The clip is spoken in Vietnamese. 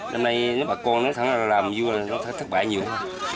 năm nay nếu bà con nó thắng là làm vui là nó thất bại nhiều hơn